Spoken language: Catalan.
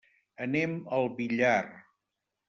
Anem al Villar.